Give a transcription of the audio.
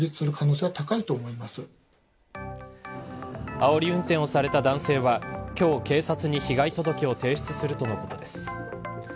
あおり運転をされた男性は今日、警察に被害届を提出するとのことです。